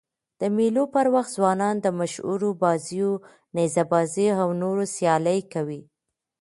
د مېلو پر وخت ځوانان د مشهورو بازيو: نیزه بازي او نورو سيالۍ کوي.